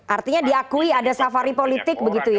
artinya diakui ada safari politik begitu ya